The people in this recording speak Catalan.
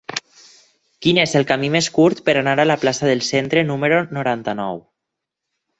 Quin és el camí més curt per anar a la plaça del Centre número noranta-nou?